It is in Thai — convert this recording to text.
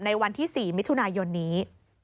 ในวันที่๔มิถุนายนนี้